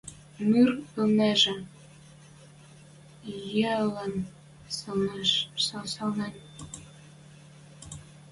Ныр вӹлнӹжӹ, йылен сӹлнӹн